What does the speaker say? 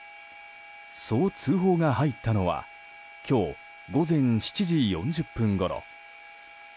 そう通報が入ったのは今日午前７時４０分ごろ。